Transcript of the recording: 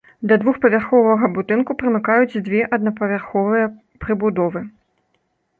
Да двухпавярховага будынку прымыкаюць дзве аднапавярховыя прыбудовы.